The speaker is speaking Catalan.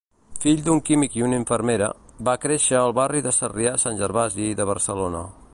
Fill d'un químic i una infermera, va créixer al barri de Sarrià-Sant Gervasi de Barcelona.